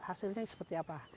hasilnya seperti apa